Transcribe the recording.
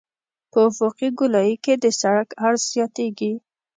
په افقي ګولایي کې د سرک عرض زیاتیږي